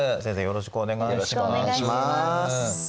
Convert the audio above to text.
よろしくお願いします。